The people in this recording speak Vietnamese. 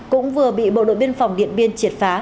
cũng vừa bị bộ đội biên phòng điện biên triệt phá